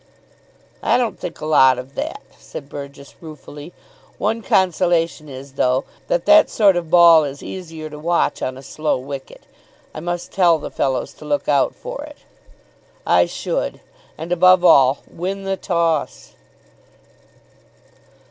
"I don't think a lot of that," said Burgess ruefully. "One consolation is, though, that that sort of ball is easier to watch on a slow wicket. I must tell the fellows to look out for it." "I should. And, above all, win the toss."